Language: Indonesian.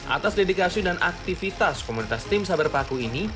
atas dedikasi dan aktivitas komunitas tim saber paku ini